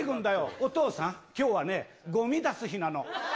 お父さん、きょうはね、ごみ出す日なの。